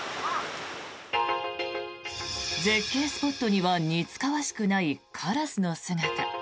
絶景スポットには似つかわしくないカラスの姿。